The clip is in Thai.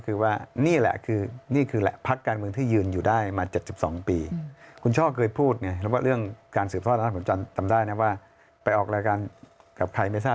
คืออันนี้เขาประกาศอยู่แล้วตั้งโต๊ะเจรจาราย